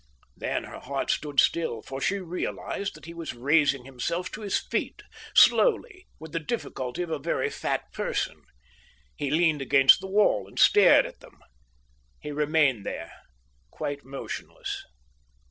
Then her heart stood still; for she realized that he was raising himself to his feet, slowly, with the difficulty of a very fat person. He leaned against the wall and stared at them. He remained there quite motionless.